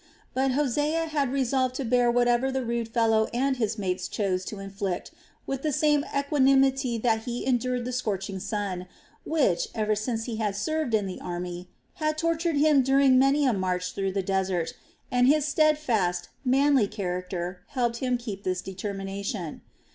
But Hosea had resolved to bear whatever the rude fellow and his mates chose to inflict with the same equanimity that he endured the scorching sun which, ever since he had served in the army, had tortured him during many a march through the desert, and his steadfast, manly character helped him keep this determination.